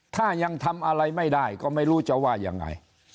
ถ้ายังทำอะไรไม่ได้ก็ไม่รู้จะว่ายังไง